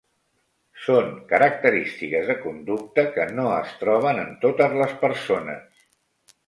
Són característiques de conducta que no es troben en totes les persones.